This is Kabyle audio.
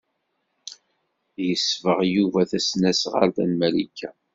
Yesbeɣ Yuba tasnasɣalt n Malika.